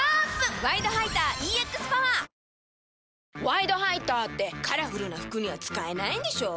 「ワイドハイター」ってカラフルな服には使えないんでしょ？